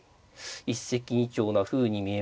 一石二鳥なふうに見えますね。